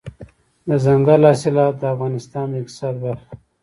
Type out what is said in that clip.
دځنګل حاصلات د افغانستان د اقتصاد برخه ده.